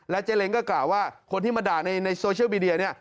และเจ๊เล้งก็กล่าวว่าคนที่มาด่าในโซเชียลวิดีโอ